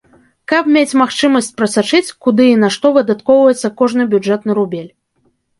Каб мець магчымасць прасачыць, куды і на што выдаткоўваецца кожны бюджэтны рубель.